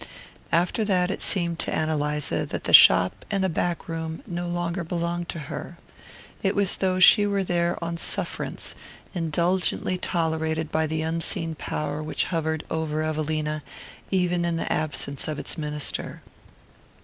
After that it seemed to Ann Eliza that the shop and the back room no longer belonged to her. It was as though she were there on sufferance, indulgently tolerated by the unseen power which hovered over Evelina even in the absence of its minister.